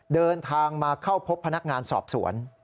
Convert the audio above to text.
เดินทางมาเข้าพบพนักงานสอบสวน